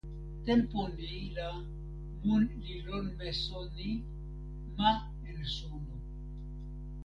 tenpo ni la mun li lon meso ni: ma en suno.